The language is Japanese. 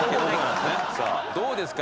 さあどうですか？